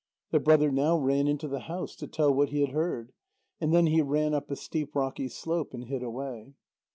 The brother now ran into the house to tell what he had heard. And then he ran up a steep rocky slope and hid away.